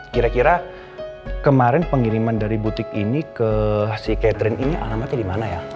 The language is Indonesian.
kira kira kemarin pengiriman dari butik ini ke si catherine ini alamatnya di mana ya